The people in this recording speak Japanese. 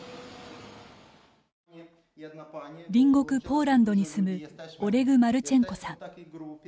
隣国ポーランドに住むオレグ・マルチェンコさん。